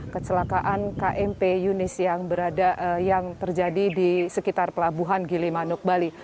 kecelakaan kmp yunis yang terjadi di sekitar pelabuhan gilimanuk bali